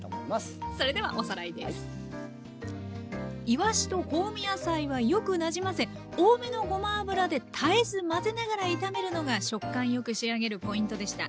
いわしと香味野菜はよくなじませ多めのごま油で絶えず混ぜながら炒めるのが食感よく仕上げるポイントでした。